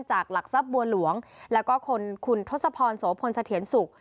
จากหลักทรัพย์บัวหลวงแล้วก็คุณทศพรโสพลชะเถียนศุกร์